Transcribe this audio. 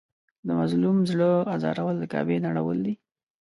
د مظلوم زړه ازارول د کعبې نړول دي.